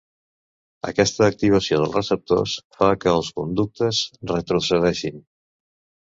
Aquesta activació dels receptors fa que els conductes retrocedeixin.